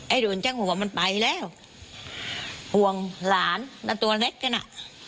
ไอ้หลุนจังห่วงมันไปแล้วห่วงหลานน่าตัวเล็กก็น่ะ